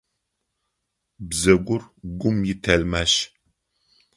Бзэгур гум итэлмащ.